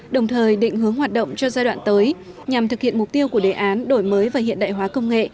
đồng thời định hướng hoạt động cho giai đoạn tới nhằm thực hiện mục tiêu của đề án đổi mới và hiện đại hóa công nghệ